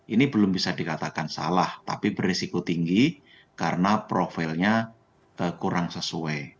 ini belum bisa dikatakan salah tapi beresiko tinggi karena profilnya kurang sesuai